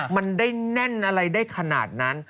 มันได้แน่นอะไรได้ขนาดนั้น